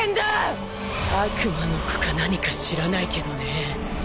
悪魔の子か何か知らないけどねぇ。